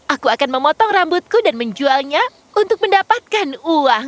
aku akan memotong rambutku dan menjualnya untuk mendapatkan uang